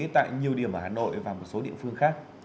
tại nhiều điểm ở hà nội và một số địa phương khác